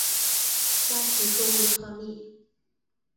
虾皮购物创立。